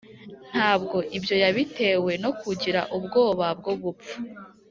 ntabwo ibyo yabitewe no kugira ubwoba bwo gupfa